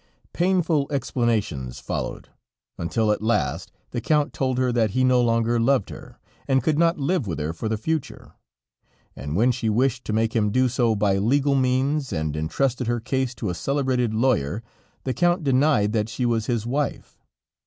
Painful explanations followed, until at last the Count told her that he no longer loved her, and could not live with her for the future, and when she wished to make him do so by legal means, and entrusted her case to a celebrated lawyer, the Count denied that she was his wife.